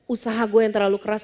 usaha gue yang terlalu keras